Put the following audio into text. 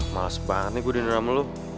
males banget nih gue diner sama lo